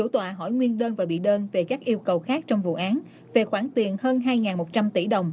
tòa hỏi nguyên đơn và bị đơn về các yêu cầu khác trong vụ án về khoản tiền hơn hai một trăm linh tỷ đồng